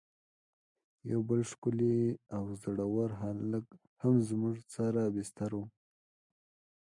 یو بل ښکلی او زړه ور هلک هم زموږ سره بستر و.